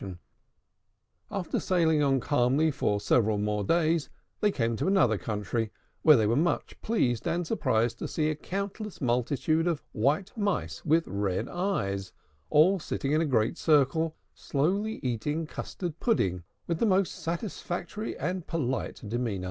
After sailing on calmly for several more days, they came to another country, where they were much pleased and surprised to see a countless multitude of white Mice with red eyes, all sitting in a great circle, slowly eating custard pudding with the most satisfactory and polite demeanor.